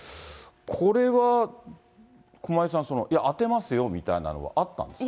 これは駒井さん、いや、当てますよみたいなのはあったんですか？